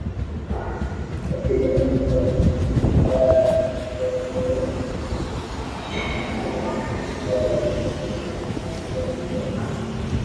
একই ধরণের ক্লাব হস্তমৈথুন ক্লাব যেখানে সদস্যরা এক লিঙ্গের বা মিশ্র, জনসম্মুখে বা ব্যক্তিগত কক্ষে একসাথে হস্তমৈথুন করে।